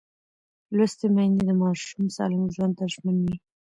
لوستې میندې د ماشوم سالم ژوند ته ژمن وي.